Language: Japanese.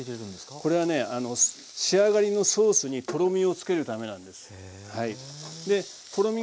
これはね仕上がりのソースにとろみをつけるためなんです。